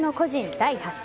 第８戦。